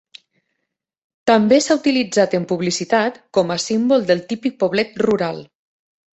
També s'ha utilitzat en publicitat com a símbol del típic poblet rural.